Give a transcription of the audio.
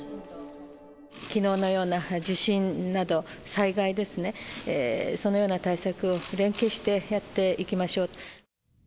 きのうのような地震など、災害ですね、そのような対策を連携してやっていきましょうと。